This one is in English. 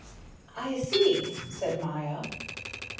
"I see," said Maya.